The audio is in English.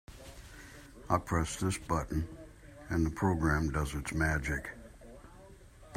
I press this button and the program does its magic.